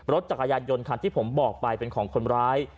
รถจักรยานยนต์คันที่ผมบอกไปเป็นของคนร้าย